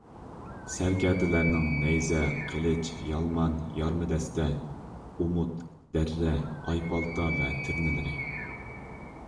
سەركەردىلەرنىڭ نەيزە، قىلىچ، يالمان، يارما دەستە، ئۇمۇت، دەررە، ئايپالتا ۋە تىرنىلىرى